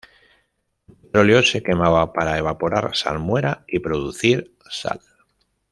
El petróleo se quemaba para evaporar salmuera y producir sal.